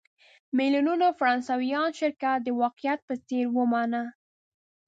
میلیونونو فرانسویانو شرکت د واقعیت په څېر ومانه.